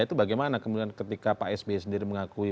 itu bagaimana kemudian ketika pak sby sendiri mengakui